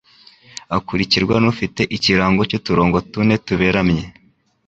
akurikirwa n'ufite ikirango cy'uturongo tune tuberamye,